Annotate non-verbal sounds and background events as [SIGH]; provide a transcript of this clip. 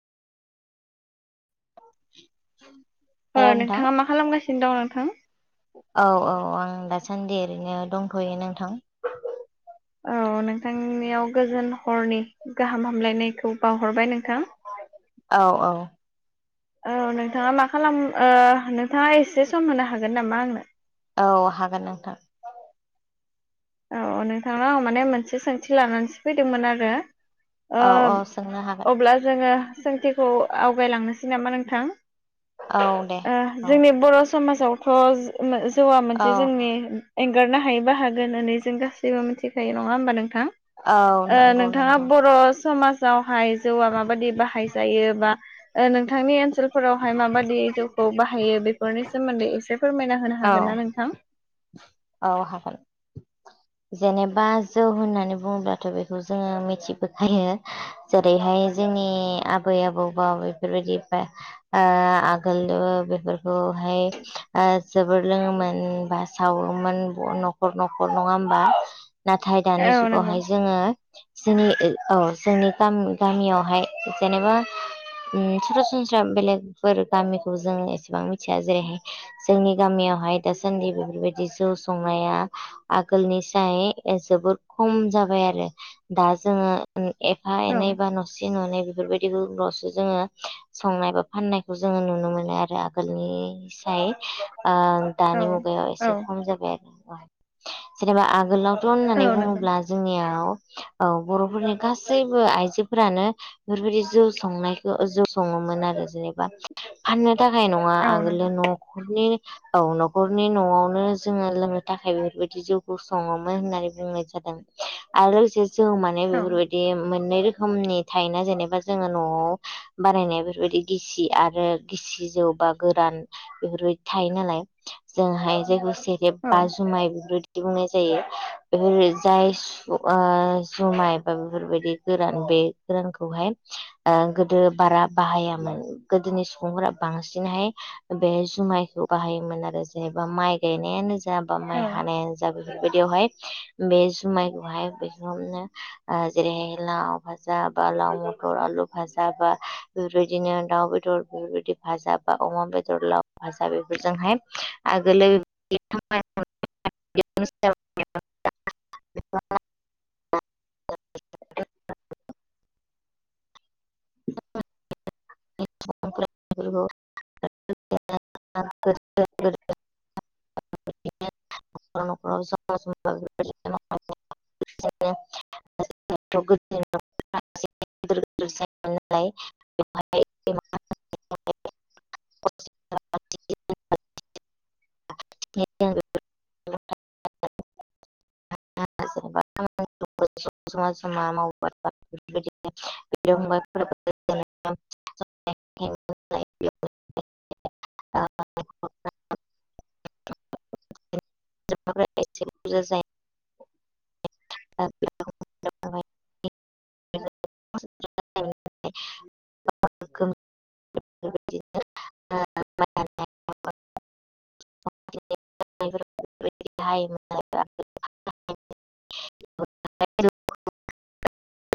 हेल' नोंथां नोंथाङा मा खालामगासिनो दं नोंथां औ औ आं दासान्दि ओरैनो दंथ'यो नोंथां। औ नोंथांनियाव गोजोन हरनि गाहाम हामलायनायखौ बावहरबाय नोंथां। औ औ औ नोंथाङा मा खालाम ओ नोंथाङा एसे सम होनो हागोन नामा आंनो? औ हागोन नोंथां औ नोंथांनाव माने मोनसे सोंथि लानानैसो फैदोंमोन आरो ओ औ औ सोंनो हागोन अब्ला जोङो सोंथिखौ आवगायलांनोसै नामा नोंथां औ दे ओ औ जोंनि बर' समाजावथ' जौवा औ मोनसे जोंनि एंगारनो हायै बाहागो होननानै जों गासैबो मिथिखायो नङा होमबा नोंथां। औ नंगौ नोंथाङा नंगौ बर' समाज ावहाय जौआ माबायदि बाहाय जायो बा नोंथांनि ओनसोल फोरावहाय माबादि जौखौ बाहायो बेफोरनि सोमोन्दै एसे फोरमायना होनो औ हागोन ना नोंथां? औ हागोन जेनेबा जौ होननानै बुङोब्लाथ' बेखौ जोङो मिथिबोखायो जेरैहाय जोंनि आबै आबौबा बेफोरबायदि ओ आगोल बेफोरखौ हाय ओ जोबोर लोङोमोन बा सावोमोन न'खर न'ख नङा होमबा नाथाय दानि औ नंगौ जुगावहाय जोङो जोंनि औ जोंनि गाम गामियावहाय जेनेबा सरासनस्रा बेलेगफोर गामिखौ जों एसेबां मिथिया जेरैहाय जोंनि गामियाव हाय दासान्दि बेफोरबायदि जौ संनाया आ- गोलनि साय जोबोर खम जाबाय आरो दा जोङो एफा औ एनै बा नसे ननै बेफोरबायदि यावसो जोङो संनाय बा फाननायखौ जोङो नुनो मोनो आरो आगोलनि फाय ओ औ दानि मुगायाव औ एसे खम जाबाय आरो जेनेबा आगोलाव थ' औ होननानै नंगौ। बुङोब्ला जोंनियाव औ बर'फोरनि गासैबो आइजोफोरानो बेफोरबायदि जौ संनायखौ जौ सङो। मोन आरो जेनेबा फाननो थाखाय नङा औ आगोलो नंगौ न'खरनि औ न'खरनि न'आवनो जोङो लोंनो थाखाय बेफोरबायदि जौखौ सङोमोन होननानै बुंनाय जादों आरो जेसे जौ माने औ बेफोरबायदि मोननै रो- खोमनि थायना जेनेबा जोङो न'आव बानायनाय बेफोरबायदि गिसि आरो गिसि जौ बा गोरान बेफोरबायदि थायो नालाय जोंहाय जायखौ सेरेब औ बा जुमाय बेफोर बादि बुंनाय जायो बेफोर ओ जाय जुमाय बा बेफोरबायदि गोरान बे गोरानखौहाय गोदो बारा बाहायामोन गोदोनि सुबुंफोरा बांसिनहाय बे जुमायखौ बाहायोमोन आरो जेनेबा माइ गायनायानो जा बा माइ औ हानायानो जा बेफोरबायदियावहाय बे जुमायखौहाय बेनो ओ‌ जेरैहाय ला भाजा बा लाव मथर आलु फाजाब बा बेफोरबायदिनो दाउ बेदर बेफोरबायदि भाजा‌ बा अ- मा बेदर लाव भा बेफोरजोंहाय आगोलो [UNINTELLIGIBLE] [INAUDIBLE] [UNINTELLIGIBLE] [INAUDIBLE] [UNINTELLIGIBLE] [INAUDIBLE] [UNINTELLIGIBLE] [UNINTELLIGIBLE] गोदोर गोदोर जायोमोन नालाय बेवहाय [UNINTELLIGIBLE] [UNINTELLIGIBLE] सोरबा सोरबा [UNINTELLIGIBLE] जमा जमा माव [UNINTELLIGIBLE] बेफोरबायदिनो बिदा फंबायफोराबो [UNINTELLIGIBLE] [UNINTELLIGIBLE] [UNINTELLIGIBLE] [UNINTELLIGIBLE] [UNINTELLIGIBLE] [UNINTELLIGIBLE] [INAUDIBLE] [UNINTELLIGIBLE] [UNINTELLIGIBLE]